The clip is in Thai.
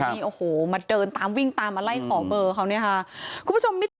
แต่นี่โอ้โหมาเดินตามวิ่งตามมาไล่ขอเบอร์เขาเนี่ยค่ะ